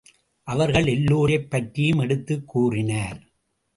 அவர்கள் எல்லோரைப் பற்றியும் எடுத்துக் கூறினார்.